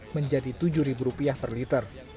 menjadi rp tujuh per liter